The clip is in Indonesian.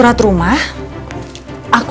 kayaknya aku lebih baik kamu